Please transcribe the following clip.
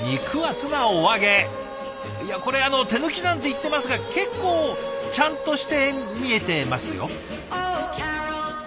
いやこれあの手抜きなんて言ってますが結構ちゃんとして見えてますよ。